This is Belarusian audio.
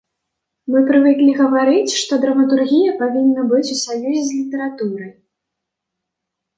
Мы прывыклі гаварыць, што драматургія павінна быць у саюзе з літаратурай.